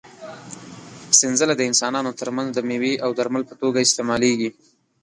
سنځله د انسانانو تر منځ د مېوې او درمل په توګه استعمالېږي.